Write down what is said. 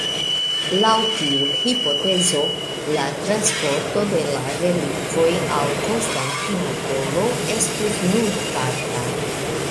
Laŭ tiu hipotezo, la transporto de la relikvoj al Konstantinopolo estus nur parta.